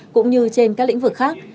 cũng như trên các lĩnh vực khác